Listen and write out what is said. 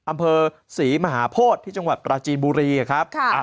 อำเภอศรีมหาโพธิที่จังหวัดปราจีนบุรีครับ